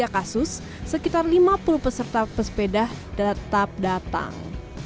tujuh dua ratus tiga kasus sekitar lima puluh peserta pesepeda tetap datang